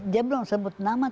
dia belum sebut nama